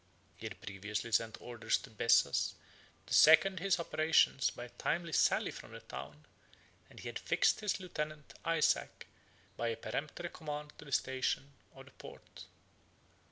He had previously sent orders to Bessas to second his operations by a timely sally from the town; and he had fixed his lieutenant, Isaac, by a peremptory command, to the station of the port.